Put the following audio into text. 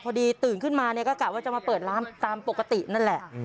พอดีตื่นขึ้นมาเนี่ยก็กะว่าจะมาเปิดร้านตามปกตินั่นแหละ